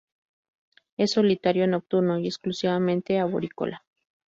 Es solitario, nocturno y exclusivamente arborícola.